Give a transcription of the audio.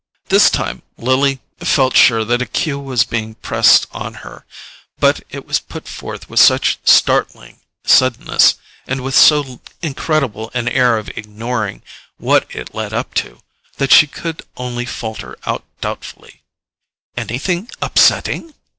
This time Lily felt sure that a cue was being pressed on her; but it was put forth with such startling suddenness, and with so incredible an air of ignoring what it led up to, that she could only falter out doubtfully: "Anything upsetting?"